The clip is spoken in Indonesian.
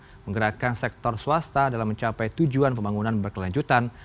untuk menggerakkan sektor swasta dalam mencapai tujuan pembangunan berkelanjutan